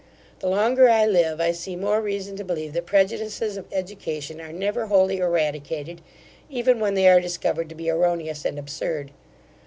The longer I live, I see more reason to believe that prejudices of education are never wholly eradicated, even when they are discovered to be erroneous and absurd.